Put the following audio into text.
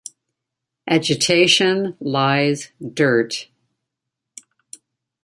Agitation, lies, dirt.